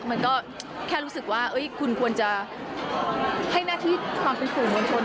มันก็แค่รู้สึกว่าคุณควรจะให้หน้าที่ความเป็นสื่อมวลชน